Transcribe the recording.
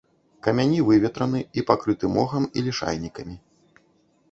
Камяні выветраны і пакрыты мохам і лішайнікамі.